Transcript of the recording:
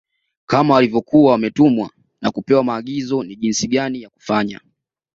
Kama walivyokuwa wametumwa na kupewa maagizo ni jinsi gani ya Kufanya